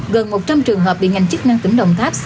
gần một trăm linh trường hợp bị ngành chức năng tỉnh đồng tháp